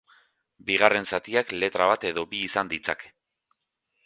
Bigarren zatiak, letra bat edo bi izan ditzake.